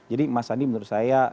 jadi mas andi menurut saya